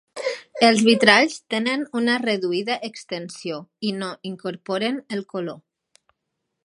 Els vitralls tenen una reduïda extensió i no incorporen el color.